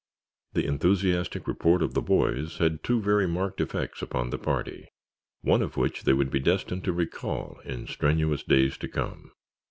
The enthusiastic report of the boys had two very marked effects upon the party, one of which they would be destined to recall in strenuous days to come.